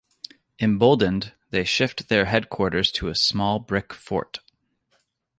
Emboldened, they shift their headquarters to a small brick fort.